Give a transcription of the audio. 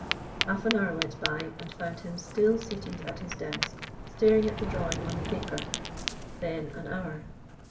Half an hour went by and found him still seated at his desk, staring at the drawing on the paper, then an hour.